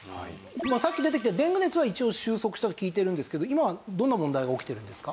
さっき出てきたデング熱は一応収束したと聞いてるんですけど今はどんな問題が起きてるんですか？